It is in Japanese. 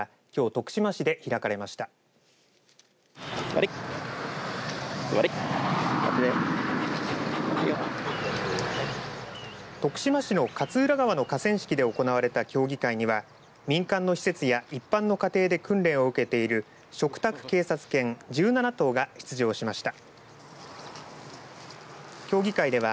徳島市の桂川の河川敷で行われた協議会には民間の施設や一般の家庭で訓練を受けている嘱託警察犬１７頭が出場しました。